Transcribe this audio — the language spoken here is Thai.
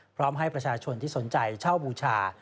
พร้อมให้ประชาชนที่สนใจเช่าบูชา